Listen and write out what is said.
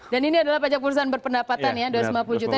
dan ini adalah pajak perusahaan berpendapatan ya dua ratus lima puluh juta